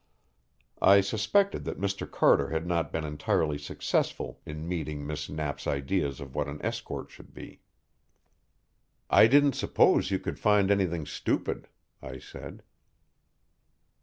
I suspected that Mr. Carter had not been entirely successful in meeting Miss Knapp's ideas of what an escort should be. "I didn't suppose you could find anything stupid," I said.